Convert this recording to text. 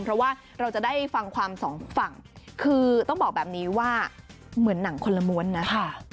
เพราะว่าเราจะได้ฟังความสองฝั่งคือต้องบอกแบบนี้ว่าเหมือนหนังคนละม้วนนะ